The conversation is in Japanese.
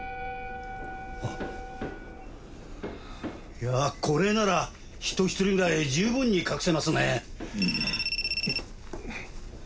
いやこれなら人ひとりぐらい十分に隠せますね。